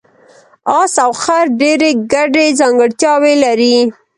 اس او خر ډېرې ګډې ځانګړتیاوې لري.